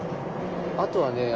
あとはね